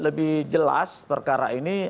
lebih jelas perkara ini